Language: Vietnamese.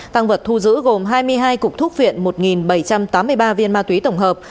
tăng vật thu giữ gồm hai mươi hai cục thuốc phiện một bảy trăm tám mươi ba viên ma túy tổng hợp